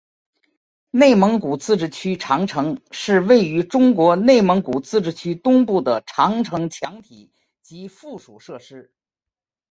内蒙古自治区长城是位于中国内蒙古自治区东部的长城墙体及附属设施。